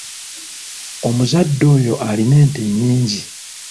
Omuzadde oyo alina ente nnyingi.